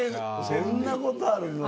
そんなことあるの。